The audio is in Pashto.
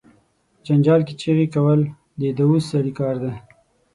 په جنجال کې چغې کول، د دووث سړی کار دي.